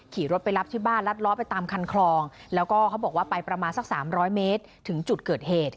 ขี่รถไปรับที่บ้านรัดล้อไปตามคันคลองแล้วก็เขาบอกว่าไปประมาณสักสามร้อยเมตรถึงจุดเกิดเหตุ